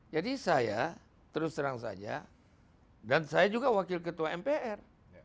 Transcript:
jadi saya terus terang saja dan saya juga wakil ketua mpr